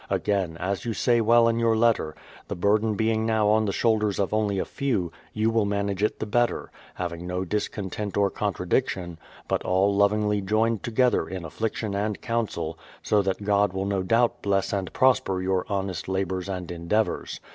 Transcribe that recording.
Again, as you say well in your letter, the burden being now on the shoulders of only a few, you will manage it the better, having no discontent or contradic tion, but all lovingly joined together in affection and counsel, so that God v/ill no doubt bless and prosper your honest labours and en deavours.